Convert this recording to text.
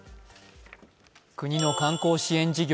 国の観光支援事業